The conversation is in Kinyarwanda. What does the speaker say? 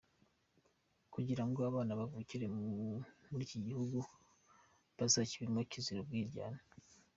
Kugira ngo abana bavukira muri ikiguhugu bazakibemo kizira umwiryane.